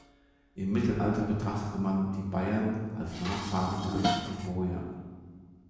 Im Mittelalter betrachtete man die Baiern als Nachfahren der antiken Boier.